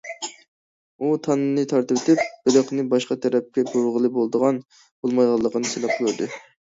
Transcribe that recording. ئۇ، تانىنى تارتىۋېتىپ، بېلىقنى باشقا تەرەپكە بۇرىغىلى بولىدىغان- بولمايدىغانلىقىنى سىناپ كۆردى.